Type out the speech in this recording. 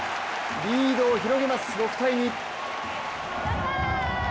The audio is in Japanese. リードを広げます、６−２。